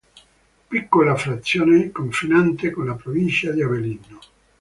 Piccola frazione, confinante con la provincia di Avellino.